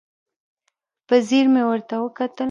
په ځیر مې ورته وکتل.